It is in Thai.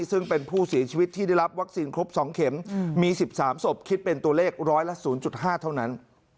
ซึ่งเป็นผู้เสียชีวิตที่ได้รับวัคซีนครบ๒เข็มมี๑๓ศพคิดเป็นตัวเลขร้อยละ๐๕เท่านั้น